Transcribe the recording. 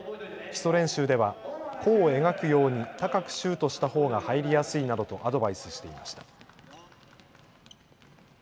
基礎練習では弧を描くように高くシュートしたほうが入りやすいなどとアドバイスしていました。